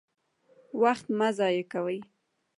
وخت مه ضایع کوئ